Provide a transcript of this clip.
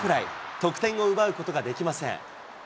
得点を奪うことができません。